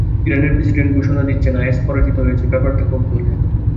ইরানের প্রেসিডেন্ট ঘোষণা দিচ্ছেন, আইএস পরাজিত হয়েছে ব্যাপারটা কৌতূহলের।